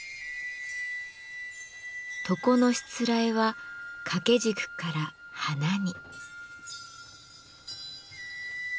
床のしつらえは掛け軸から花に。